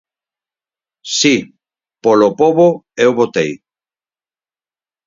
Si, polo pobo, eu votei.